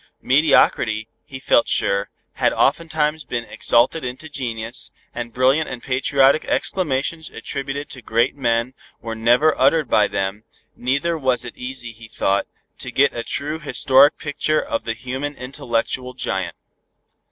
Mediocrity, he felt sure, had oftentimes been exalted into genius, and brilliant and patriotic exclamations attributed to great men, were never uttered by them, neither was it easy he thought, to get a true historic picture of the human intellectual giant.